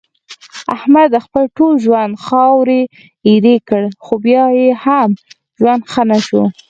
احمد خپل ټول ژوند خاورې ایرې کړ، خو بیا یې هم ژوند ښه نشو.